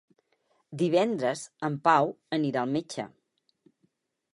Divendres en Pau anirà al metge.